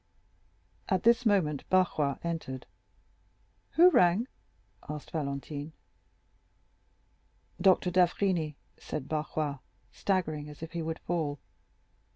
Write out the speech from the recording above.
At this moment Barrois entered. "Who rang?" asked Valentine. "Doctor d'Avrigny," said Barrois, staggering as if he would fall.